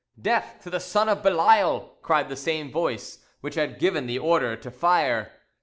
"Death to the son of Belial!" cried the same voice which had given the order to fire.